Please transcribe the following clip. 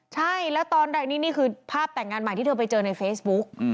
ใช่แล้วตอนแรกนี่คือภาพแต่งงานใหม่ที่เธอไปเจอในเฟซบุ๊ก